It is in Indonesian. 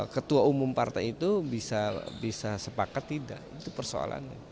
ketua umum partai itu bisa sepakat tidak itu persoalannya